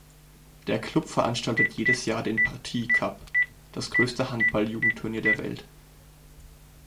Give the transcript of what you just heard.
Der Club veranstaltet jedes Jahr den "Partille Cup", das größte Handball-Jugendturnier der Welt.